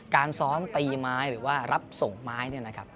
การซ้อมตีไม้หรือว่ารับส่งไม้เนี่ยนะครับ